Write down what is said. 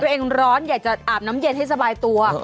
ร้อนอยากจะอาบน้ำเย็นให้สบายตัว